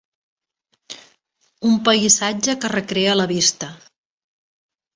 Un paisatge que recrea la vista.